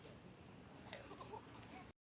สวัสดีครับทุกคน